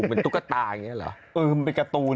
เป็นตุ๊กตาอย่างนี้เหรอเป็นการ์ตูน